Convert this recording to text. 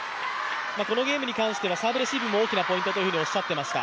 このゲームに関してはサーブレーブも大きなポイントとおっしゃっていました。